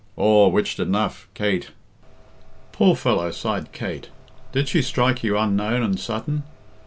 "Aw, witched enough. Kate " "Poor fellow!" sighed Kate. "Did she strike you unknown and sudden?"